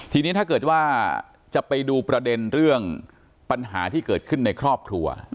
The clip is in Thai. ทีนี้ถ้าเกิดว่าจะไปดูประเด็นเรื่องปัญหาที่เกิดขึ้นในครอบครัว